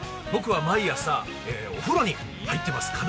僕は毎朝、お風呂に入っています。